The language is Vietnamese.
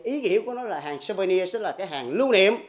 ý nghĩa của nó là hàng souvenir tức là cái hàng lưu niệm